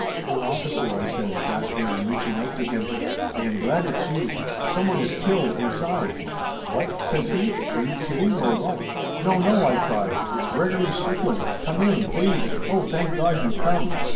"Oh, officer!" I says, gasping and reaching out to him. "I am glad it's you. Someone is killed, inside !" "What?" says he. "Are you kidding or what?" "No, no !" I cried. "It's Gregory Strickland ! Come in, please! Oh, thank God, you come!"